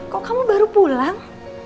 kok kamu baru pulang